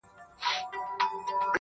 دا نو بيا زما بخت دی، غټې سي وړې سترگې